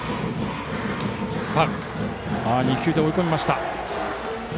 ２球で追い込みました。